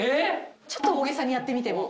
ちょっと大げさにやってみても。